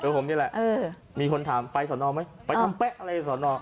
เพื่อผมเนี้ยแหละเออมีคนถามไปสนไม่ไปทำเป๊ะอะไรสน